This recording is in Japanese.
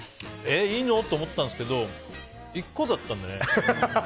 いいの？と思ったんですけど１個だったんですね。